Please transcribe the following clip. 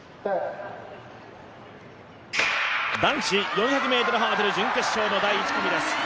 男子４００ｍハードル準決勝の第１組です。